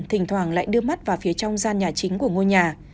thỉnh thoảng lại đưa mắt vào phía trong gian nhà chính của ngôi nhà